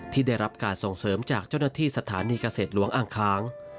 ที่ได้รับการส่งเสริมจากเจ้าหน้าที่สถานีเกษตรหลวงอ่างค้าง